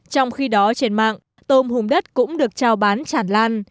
trong khi đó trên mạng tôm hùm đất cũng được trao bán chản lan